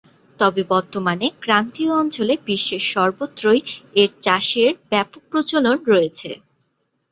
তবে বর্তমানে ক্রান্তীয় অঞ্চলে বিশ্বের সর্বত্রই এর চাষের ব্যাপক প্রচলন রয়েছে।